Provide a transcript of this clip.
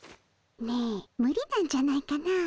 ねえ無理なんじゃないかな。